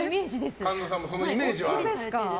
神田さんもそのイメージがあるんだ。